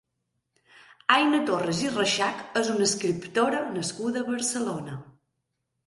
Aina Torres i Rexach és una escriptora nascuda a Barcelona.